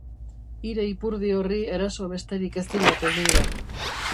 Hire ipurdi horri eraso besterik ez dinat egingo.